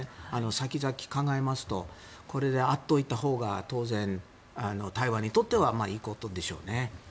先々を考えますとこれで会っておいたほうが当然、台湾にとってはいいことでしょうね。